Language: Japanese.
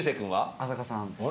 浅香さん。